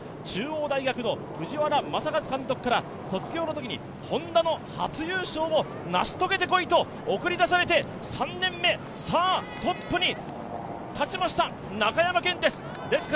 中央大学の藤原正和監督から卒業のときにＨｏｎｄａの初優勝を成し遂げてこいと送り出されて３年目、さあトップに立ちました、中山顕です。